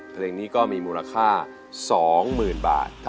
เพลงนี้ก็มีมูลค่า๒๐๐๐บาท